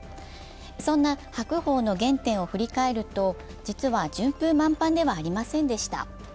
そんな白鵬の原点を振り返ると実は順風満帆ではありませんでした。